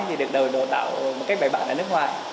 thì được đồn đồn tạo một cách bày bản ở nước ngoài